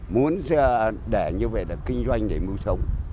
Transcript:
muốn để như vậy là kinh doanh để mưu sống